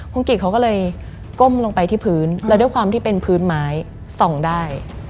คุณกิจเขาก็เลยก้มลงไปที่พื้นแล้วด้วยความที่เป็นพื้นไม้ส่องได้